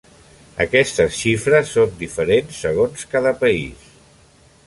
Aquestes xifres són diferents segons cada país.